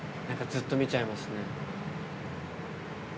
ずっと見ちゃいますね。